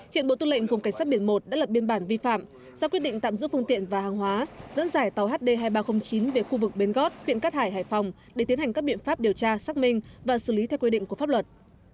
hiện bộ tư lệnh vùng cảnh sát biển một đã lập biên bản vi phạm ra quyết định tạm giữ phương tiện và hàng hóa dẫn dải tàu hd hai nghìn ba trăm linh chín về khu vực bến gót huyện cát hải hải phòng để tiến hành các biện pháp điều tra xác minh và xử lý theo quy định của pháp luật